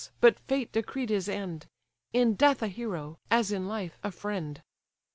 but fate decreed his end, In death a hero, as in life a friend!"